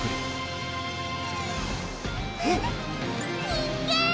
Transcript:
人間！